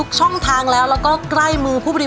โปรดติดตามต่อไป